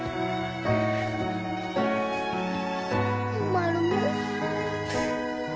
マルモ。